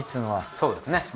そうですね。